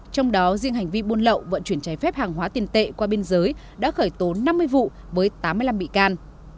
trong đó riêng hành vi buôn lậu vận chuyển trái phép hàng hóa tiền tệ qua biên giới đã khởi tố năm mươi vụ với tám mươi năm bị can